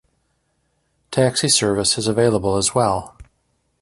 Taxi service is available as well.